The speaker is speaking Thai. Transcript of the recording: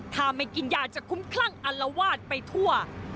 ถ้าไม่กินยาจะคุ้มคลั่งอัลวาดไปทั่ว